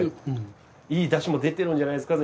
いいダシも出てるんじゃないですか